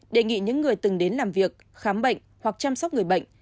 đề nghị những người từng đến làm việc khám bệnh hoặc chăm sóc người bệnh